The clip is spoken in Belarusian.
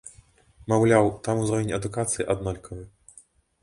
Маўляў, там узровень адукацыі аднолькавы.